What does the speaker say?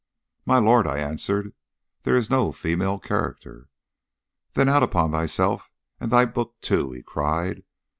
'My lord,' I answered, 'there is no female character.' 'Then out upon thyself and thy book too!' he cried.